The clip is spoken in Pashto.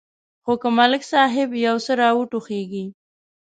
خو که ملک صاحب یو څه را وټوخېږي.